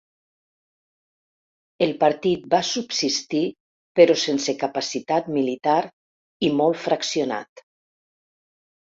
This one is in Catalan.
El partit va subsistir però sense capacitat militar i molt fraccionat.